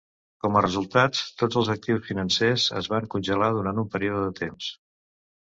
Com a resultat, tots els actius financers es van congelar durant un període de temps.